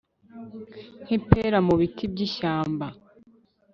nk'ipera mu biti by'ishyamb